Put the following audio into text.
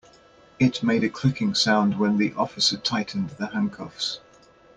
It made a clicking sound when the officer tightened the handcuffs.